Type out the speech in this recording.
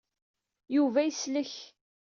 Yuba yeslek.